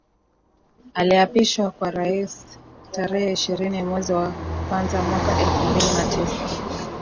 Aliapishwa kama raisi tarehe ishirini mwezi wa kwanza mwaka elfu mbili na tisa